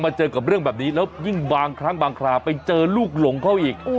เจอกับเรื่องแบบนี้แล้วยิ่งบางครั้งบางคราวไปเจอลูกหลงเขาอีก